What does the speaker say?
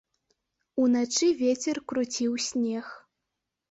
Уначы вецер круціў снег.